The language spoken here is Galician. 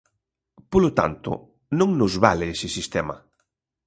Polo tanto, non nos vale ese sistema.